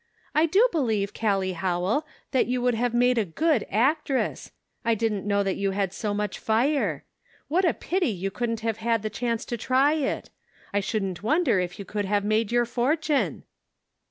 " I do believe, Callie Howell, that you would have made a good actress ! I didn't know that you had so much fire. What a pity you couldn't have had the chance to try it. I shouldn't wonder if you could have made your fortune."